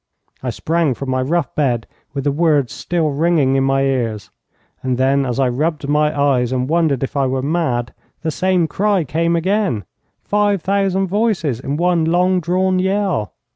I sprang from my rough bed, with the words still ringing in my ears, and then, as I rubbed my eyes, and wondered if I were mad, the same cry came again, five thousand voices in one long drawn yell.